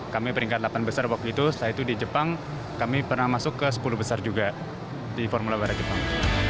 kami peringkat delapan besar waktu itu setelah itu di jepang kami pernah masuk ke sepuluh besar juga di formula barat jepang